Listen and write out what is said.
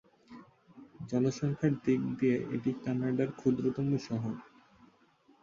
জনসংখ্যার দিক দিয়ে এটি কানাডার ক্ষুদ্রতম শহর।